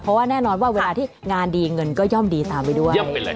เพราะว่าแน่นอนว่าเวลาที่งานดีเงินก็ย่อมดีตามไปด้วย